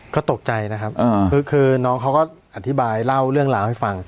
ก็ตกใจนะครับคือน้องเขาก็อธิบายเล่าเรื่องราวให้ฟัง